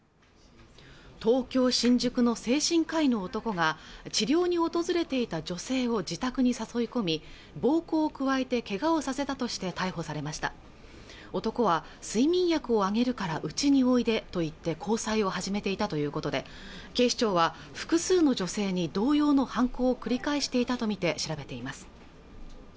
東京・新宿の精神科医の男が治療に訪れていた女性を自宅に誘い込み暴行を加えてけがをさせたとして逮捕されました男は睡眠薬をあげるからうちにおいでと言って交際を始めていたということで警視庁は複数の女性に同様の犯行を繰り返していたとみて調べています